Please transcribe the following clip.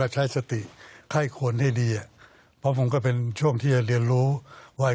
ใช้สติให้คนให้ดีอ่ะเพราะผมก็เป็นช่วงที่จะเรียนรู้ว่า